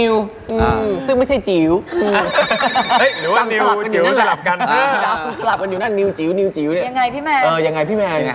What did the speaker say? วิวเซวเอง